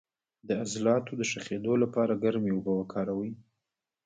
د عضلاتو د شخیدو لپاره ګرمې اوبه وکاروئ